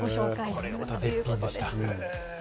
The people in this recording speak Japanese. これもまた絶品でした。